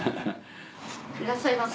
いらっしゃいませ。